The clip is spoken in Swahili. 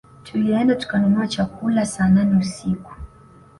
Tulienda tukanunua chakula saa nane usiku